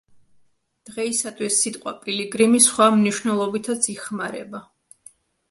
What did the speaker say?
დღეისათვის სიტყვა პილიგრიმი სხვა მნიშვნელობითაც იხმარება.